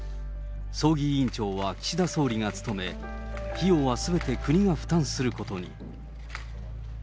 葬儀委員長は岸田総理が務め、費用はすべて国が負担することに。